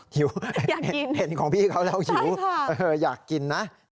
หิวอยากกินใช่ค่ะอยากกินนะเห็นของพี่เขาแล้วอยากกินนะ